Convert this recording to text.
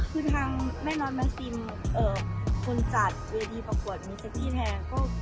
คือทางแม่น้อนแม็กซิมคนจัดวีดีประกวดมีเซ็กที่แท้